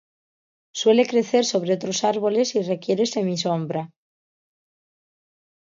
Suele crecer sobre otros árboles, y requiere semisombra.